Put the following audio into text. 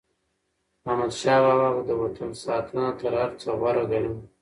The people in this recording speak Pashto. احمدشاه بابا به د وطن ساتنه تر هر څه غوره ګڼله.